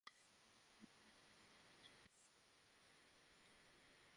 ওর মধ্যে দেওয়ানজীর একটি চমৎকার পত্র আছে।